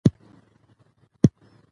افغانستان په کلي غني دی.